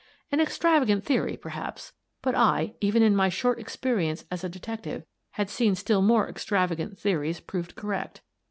An extravagant theory, perhaps, but I, even in my short experience as a detective, had seen still more extravagant theories proved correct.